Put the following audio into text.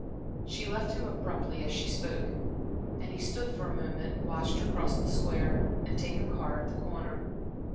She left him abruptly as she spoke, and he stood for a moment and watched her cross the Square and take a car at the corner.